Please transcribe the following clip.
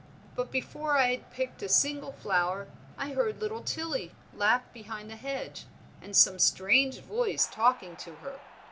But before I'd picked a single flower, I heard little Tilly laugh behind the hedge and some strange voice talking to her.